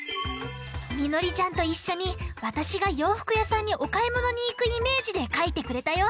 みのりちゃんといっしょにわたしがようふくやさんにおかいものにいくイメージでかいてくれたよ。